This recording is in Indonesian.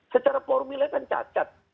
secara formilnya kan cacat